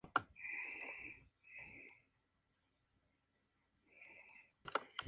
A continuación la aglomeración se desarrolló de manera continua alrededor del trabajo del acero.